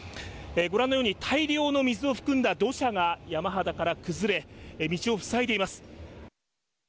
ご覧のように大量の水を含んだ土砂が山肌から崩れ道をふさいでいます。